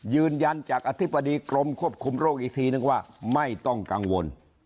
ยืนยันจากอธิบดีกรมควบคุมโรคอีกทีนึงว่าไม่ต้องกังวล